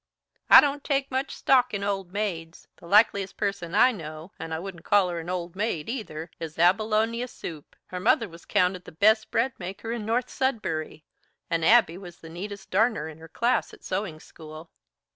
"I don't take much stock in old maids. The likeliest person I know, and I wouldn't call her an old maid, either, is Abilonia Supe. Her mother was counted the best breadmaker in North Sudbury, and Abby was the neatest darner in her class at sewing school."